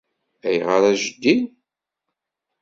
- Ayɣer a Jeddi?